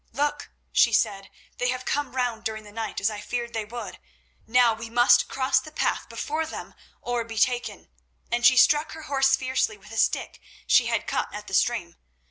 "Look," she said; "they have come round during the night, as I feared they would. Now we must cross the path before them or be taken," and she struck her horse fiercely with a stick she had cut at the stream.